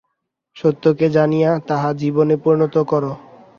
সত্যকে জানিয়া তাহা জীবনে পরিণত কর।